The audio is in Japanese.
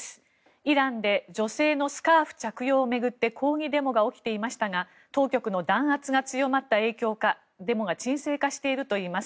イランで女性のスカーフ着用を巡って抗議デモが起きていましたが当局の弾圧が強まった影響かデモが沈静化しているといいます。